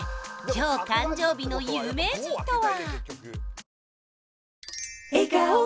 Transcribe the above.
今日誕生日の有名人とは？